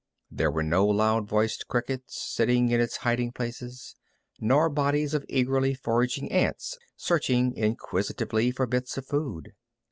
There were no loud voiced crickets singing in its hiding places, nor bodies of eagerly foraging ants searching inquisitively for bits of food.